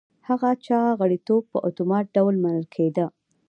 هغه چا غړیتوب په اتومات ډول منل کېده